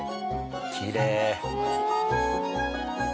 きれい！